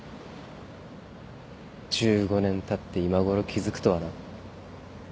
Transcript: １５年たって今ごろ気付くとはな。